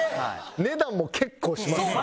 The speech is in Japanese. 値段も結構しますね。